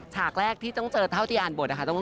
ฉากแรกที่ต้องเจอเท่าที่อ่านบทนะคะ